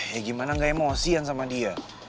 ya gimana gak emosian sama dia